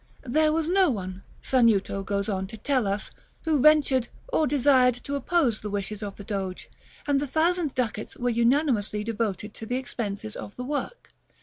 '" There was no one (Sanuto goes on to tell us) who ventured, or desired, to oppose the wishes of the Doge; and the thousand ducats were unanimously devoted to the expenses of the work.